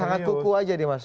hangat hangat kuku aja nih mas